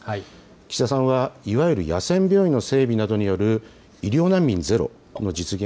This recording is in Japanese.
岸田さんはいわゆる野戦病院の整備などによる医療難民ゼロの実現